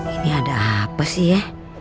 ini ada apa sih ya